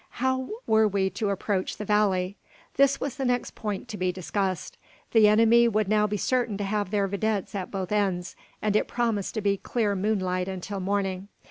How were we to approach the valley? This was the next point to be discussed. The enemy would now be certain to have their videttes at both ends, and it promised to be clear moonlight until morning.